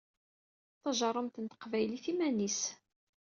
Tajeṛṛumt n teqbaylit iman-is!